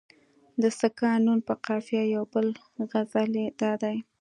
د ساکن نون په قافیه یو بل غزل یې دادی.